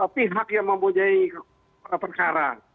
pihak yang mempunyai perkara